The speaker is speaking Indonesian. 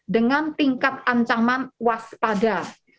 dengan tingkat ancaman waspada